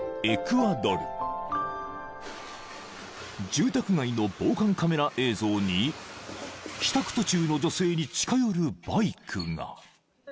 ［住宅街の防犯カメラ映像に帰宅途中の女性に近寄るバイクが］